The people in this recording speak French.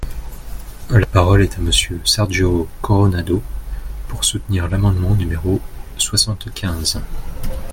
La parole est à Monsieur Sergio Coronado, pour soutenir l’amendement numéro soixante-quinze.